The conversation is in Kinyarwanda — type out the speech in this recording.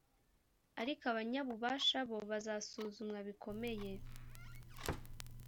ariko abanyabubasha bo bazasuzumwa bikomeye.